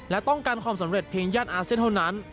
และต้องการความสำเร็จเพียงย่านอาเซียนเท่านั้น